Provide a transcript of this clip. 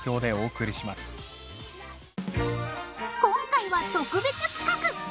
今回は特別企画。